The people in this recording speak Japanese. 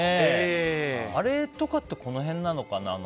あれとかってこの辺なのかな。